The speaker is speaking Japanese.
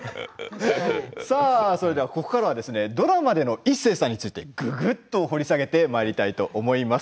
ここからはドラマでの一生さんについてぐぐっと掘り下げてまいりたいと思います。